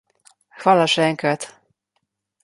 Hvala še enkrat.